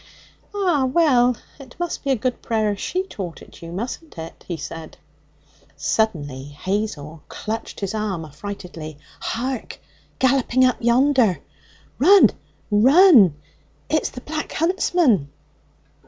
'Ah, well, it must be a good prayer if she taught it you, mustn't it?' he said. Suddenly Hazel clutched his arm affrightedly. 'Hark! Galloping up yonder! Run! run! It's the Black Huntsman!'